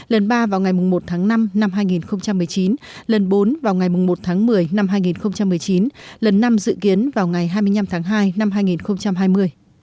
lần ba vào ngày một tháng năm năm hai nghìn một mươi chín lần bốn vào ngày một tháng một mươi năm hai nghìn một mươi chín lần năm dự kiến vào ngày hai mươi năm tháng hai năm hai nghìn hai mươi